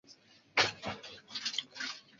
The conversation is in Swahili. Vijidudu vya ugonjwa wa majimoyo husambazwa na kupe